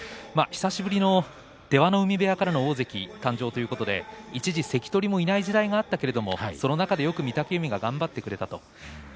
久しぶりの出羽海部屋からの大関誕生ということで一時関取もいない時代もあったけれどもその中でよく御嶽海が頑張ってくれた